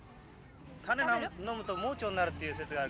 種飲むと盲腸になるっていう説があるけど。